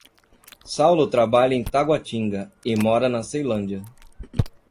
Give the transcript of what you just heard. Saulo trabalha em Taguatinga e mora na Ceilândia.